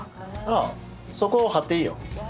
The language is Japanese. ああそこはっていいよ。